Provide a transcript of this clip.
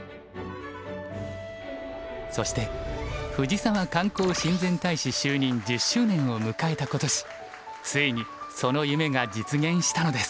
そしてふじさわ観光親善大使就任１０周年を迎えた今年ついにその夢が実現したのです。